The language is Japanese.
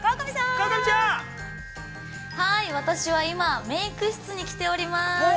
◆私は今メーク室に来ております。